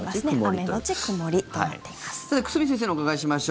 雨のち曇りとなっています。